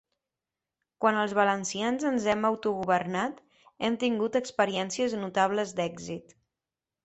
Quan els valencians ens hem auto-governat hem tingut experiències notables d’èxit.